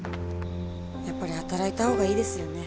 やっぱり働いた方がいいですよね。